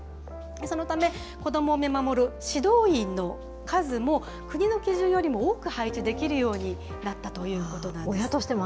そのため、子どもを見守る指導員の数も、国の基準よりも多く配置できるようになったということなんです。